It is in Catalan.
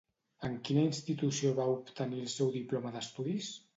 En quina institució va obtenir el seu diploma d'estudis?